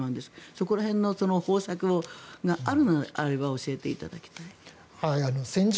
そこら辺の方策があるのであれば教えていただきたい。